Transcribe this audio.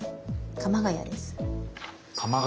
鎌ケ谷です。